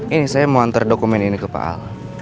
ini saya mau antar dokumen ini ke pak al